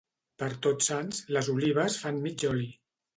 Per Tots Sants, les olives fan mig oli.